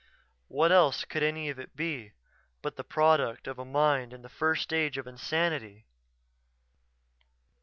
What else could any of it be but the product of a mind in the first stage of insanity?